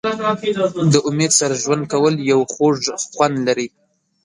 د امید سره ژوند کول یو خوږ خوند لري.